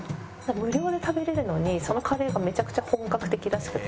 無料で食べられるのにそのカレーがめちゃくちゃ本格的らしくて。